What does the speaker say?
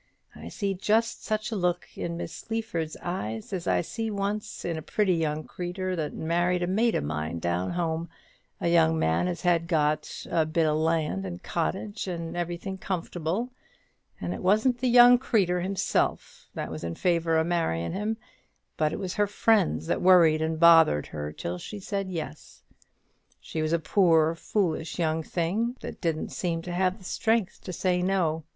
I see just such a look in Miss Sleaford's eyes as I see once in a pretty young creetur that married a mate o' mine down home; a young man as had got a little bit o' land and cottage, and everything comfortable, and it wasn't the young creetur herself that was in favour o' marryin' him; but it was her friends that worried and bothered her till she said yes. She was a poor foolish young thing, that didn't seem to have the strength to say no.